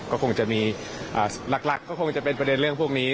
ก็คงจะมีหลักก็คงจะเป็นประเด็นเรื่องพวกนี้